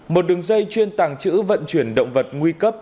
một đường dây chuyên tàng trữ vận chuyển động vật nguy cấp